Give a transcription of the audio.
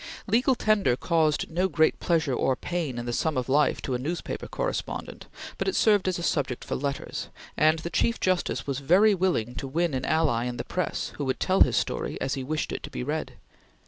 Legal Tender caused no great pleasure or pain in the sum of life to a newspaper correspondent, but it served as a subject for letters, and the Chief Justice was very willing to win an ally in the press who would tell his story as he wished it to be read.